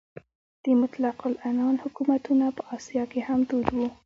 د مطلق العنان حکومتونه په اسیا کې هم دود وو.